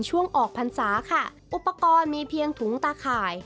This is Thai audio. ช่วงออกพรรษาค่ะอุปกรณ์มีเพียงถุงตาข่าย